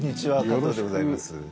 加藤でございます。